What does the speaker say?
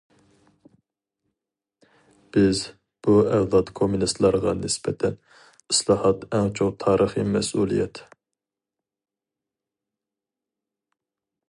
بىز بۇ ئەۋلاد كوممۇنىستلارغا نىسبەتەن، ئىسلاھات ئەڭ چوڭ تارىخىي مەسئۇلىيەت.